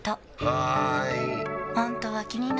はーい！